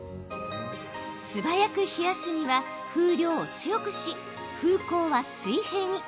素早く冷やすには風量を強くし、風向は水平に。